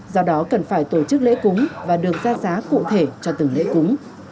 do đó cần phải tổ chức lễ cúng và được ra giá cụ thể cho từng lễ cúng